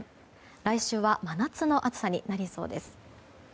来週は真夏の暑さになりそうです。